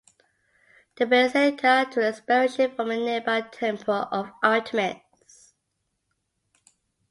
The basilica took inspiration from the nearby Temple of Artemis.